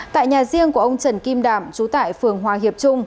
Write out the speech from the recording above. tại nhà riêng của ông trần kim đảm trú tại phường hoàng hiệp trung